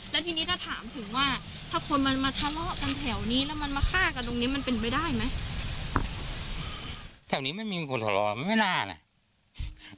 แล้วทีนี้ถ้าถามถึงว่าถ้าคนมันมาทะเลาะกันแถวนี้แล้วมันมาฆ่ากันตรงนี้มันเป็นไปได้ไหม